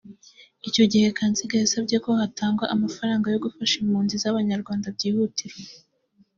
Icyo gihe Kanziga yasabye ko hatangwa amafaranga yo gufasha impunzi z’abanyarwanda byihutirwa